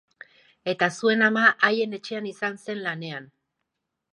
Eta zuen ama haien etxean izan zen lanean.